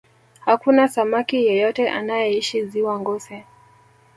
hakuna samaki yeyote anayeishi ziwa ngosi